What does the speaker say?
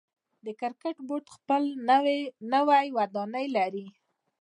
د کرکټ بورډ خپل نوی ودانۍ لري.